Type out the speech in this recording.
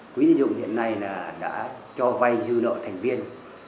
quỹ tín dụng hiện nay đã cho vay dư nợ thành viên